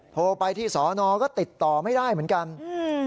โทรไปที่สอนอก็ติดต่อไม่ได้เหมือนกันอืม